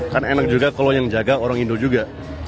kan enak juga kalau yang jaga orang indo juga